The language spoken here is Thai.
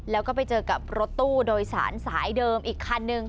แล้วก็ไปเจอกับรถตู้โดยสารสายเดิมอีกคันนึง